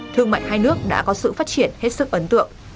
thương mại hai nước đã có sự phát triển hết sức ấn tượng